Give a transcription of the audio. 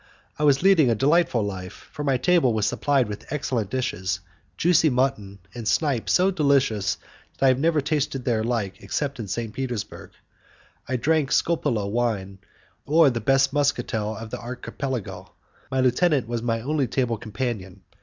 I was leading a delightful life, for my table was supplied with excellent dishes, juicy mutton, and snipe so delicious that I have never tasted their like except in St. Petersburg. I drank scopolo wine or the best muscatel of the Archipelago. My lieutenant was my only table companion.